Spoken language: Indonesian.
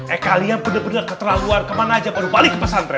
eh kalian bener bener keterlaluan kemana aja balik ke pesantren